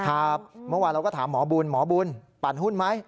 เมื่อวานเราก็ถามหมอบุญหมอบุญปั่นหุ้นไหม